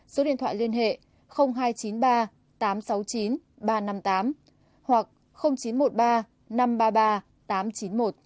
số điện thoại liên hệ hai trăm chín mươi ba tám trăm sáu mươi chín ba trăm năm mươi tám hoặc chín trăm một mươi ba năm trăm ba mươi ba tám trăm chín mươi một